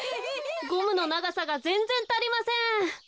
ゴムのながさがぜんぜんたりません。